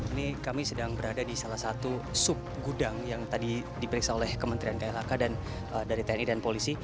ini kami sedang berada di salah satu sub gudang yang tadi diperiksa oleh kementerian klhk dan dari tni dan polisi